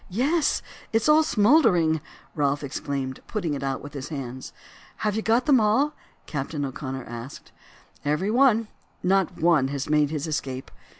"Yes, it is all smouldering!" Ralph exclaimed, putting it out with his hands. "Have you got them all?" Captain O'Connor asked. "Every one; not one has made his escape.